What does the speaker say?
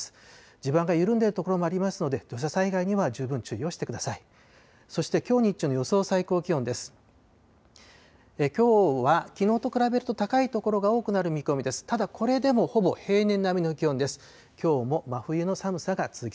地盤が緩んでいる所もありますので、土砂災害には十分注意をしてください。